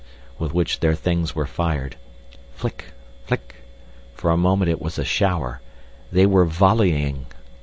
with which their things were fired. Flick, flick! for a moment it was a shower. They were volleying!